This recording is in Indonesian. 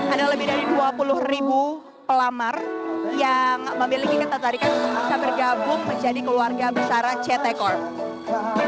ada lebih dari dua puluh pelamar yang memiliki ketentarikan bisa bergabung menjadi keluarga besara ct corp